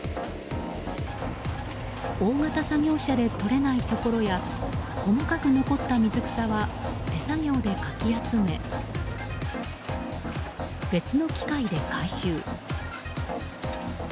大型作業車で取れないところや細かく残った水草は手作業でかき集め別の機械で回収。